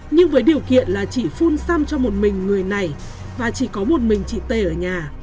nhưng với điều kiện là chỉ phun xăm cho một mình người này và chỉ có một mình chị tê ở nhà